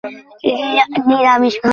এটি ছিল অস্থায়ী সংযোজন।